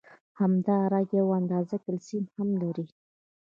همدارنګه یو اندازه کلسیم هم لري.